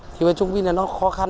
thì với trung viên là nó khó khăn